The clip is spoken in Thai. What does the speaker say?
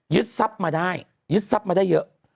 ทรัพย์มาได้ยึดทรัพย์มาได้เยอะ